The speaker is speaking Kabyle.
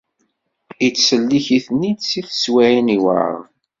Ittsellik-iten-id si teswiɛin iweɛren.